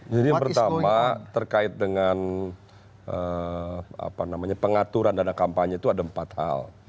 jadi yang pertama terkait dengan pengaturan dana kampanye itu ada empat hal